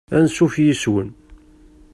Ansuf yis-wen!